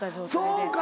そうか！